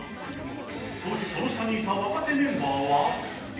当時その下にいた若手メンバーは